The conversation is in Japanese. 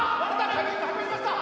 回転が始まりました。